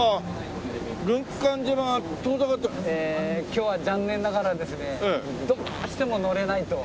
今日は残念ながらですねどうしても乗れないと。